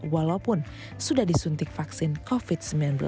walaupun sudah disuntik vaksin covid sembilan belas